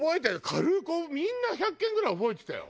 軽くみんな１００件ぐらい覚えてたよ。